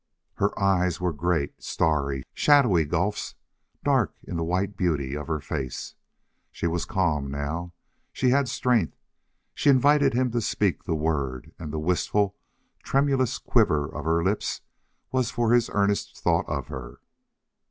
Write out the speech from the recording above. Her eyes were great, starry, shadowy gulfs, dark in the white beauty of her face. She was calm now. She had strength. She invited him to speak the word, and the wistful, tremulous quiver of her lips was for his earnest thought of her.